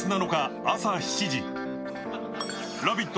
「ラヴィット！」